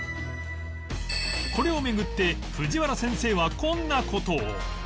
これを巡って藤原先生はこんな事を